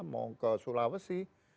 mau ke sulawesi